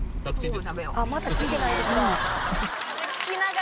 あっまた聞いてないですわ。